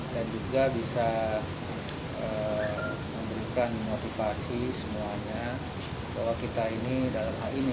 dan juga bisa memberikan motivasi semuanya bahwa kita ini dalam hal ini